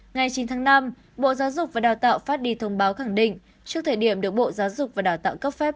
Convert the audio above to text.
ngày chín tháng năm bộ giáo dục và đào tạo phát đi thông báo khẳng định trước thời điểm được bộ giáo dục và đào tạo cấp phép